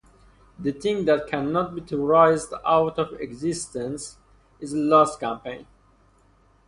The one thing that cannot be theorized out of existence is a lost campaign.